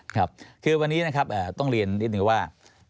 ครับคือวันนี้นะครับต้องเรียนนิดนึงว่า